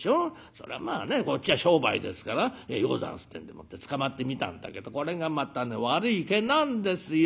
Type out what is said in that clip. そらまあねこっちは商売ですから『ようござんす』ってんでもってつかまってみたんだけどこれがまた悪い毛なんですよ。